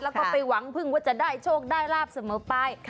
แล้วก็ไปหวังพึ่งว่าจะได้โชคได้ลาบเสมอไป